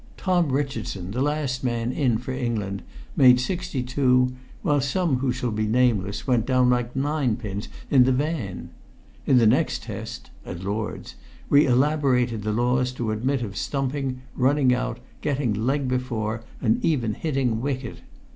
Tom Richardson, the last man in for England, made sixty two, while some who shall be nameless went down like ninepins in the van. In the next test (at Lord's) we elaborated the laws to admit of stumping, running out, getting leg before and even hitting wicket.